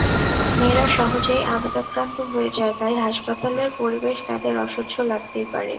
মেয়েরা সহজেই আবেগাক্রান্ত হয়ে যায়, তাই হাসপাতালের পরিবেশ তাদের অসহ্য লাগতেই পারে।